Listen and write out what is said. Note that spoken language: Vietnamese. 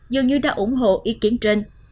dường như đã ủng hộ ý kiến trên